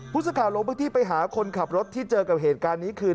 สักข่าวลงพื้นที่ไปหาคนขับรถที่เจอกับเหตุการณ์นี้คือ